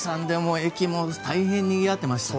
駅も大変にぎわってましたね。